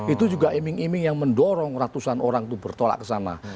itu juga iming iming yang mendorong ratusan orang itu bertolak ke sana